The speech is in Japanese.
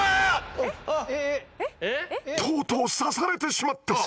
とうとう刺されてしまった。